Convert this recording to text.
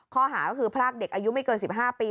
ข้อหาก็คือพรากเด็กอายุไม่เกิน๑๕ปี